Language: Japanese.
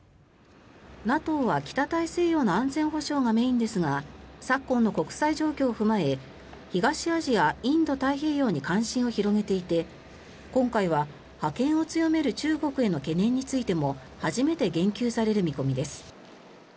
ＮＡＴＯは北大西洋の安全保障がメインですが昨今の国際状況を踏まえ東アジア、インド太平洋に関心を広げていて今回は覇権を強める中国への懸念についても初めて言及される見込みです。